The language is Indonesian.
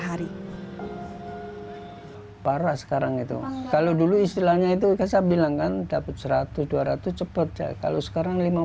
hari parah sekarang itu kalau dulu istilahnya itu saya bilang kan dapat seratus dua ratus cepet ya kalau sekarang